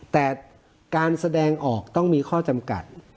แต่การแสดงออกต้องมีข้อจำกัด